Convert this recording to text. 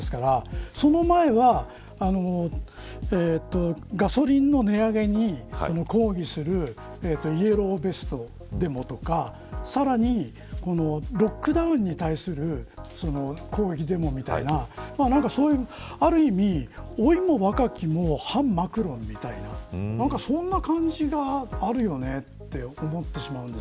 その前はガソリンの値上げに抗議するイエローベストデモとかさらに、ロックダウンに対する抗議デモみたいなある意味、老いも若きも反マクロンみたいなそんな感じがあります。